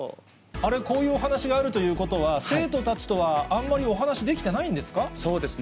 あれ、こういうお話があるということは、生徒たちとはあんまりお話できてそうですね。